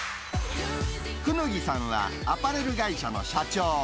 功刀さんは、アパレル会社の社長。